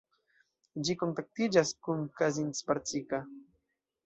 Ĝi kontaktiĝas kun Kazincbarcika.